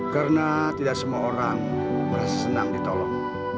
karena tidak semua orang merasa senang ditolong